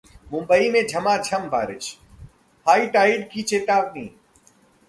मुंबई में झमाझम बारिश, हाई टाइड की चेतावनी